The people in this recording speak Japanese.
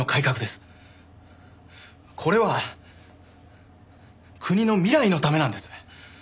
これは国の未来のためなんです。